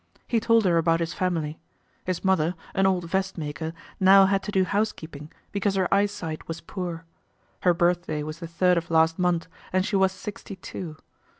He told her about his family. His mother, an old vest maker, now had to do housekeeping because her eyesight was poor. Her birthday was the third of last month and she was sixty two.